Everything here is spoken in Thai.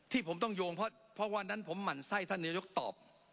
ที่ผมต้องโยงเพราะวันนั้นผมหมั่นไส้ท่านนายกตอบ